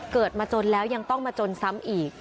เกิดมาจนแล้วยังต้องมาจนซ้ำอีก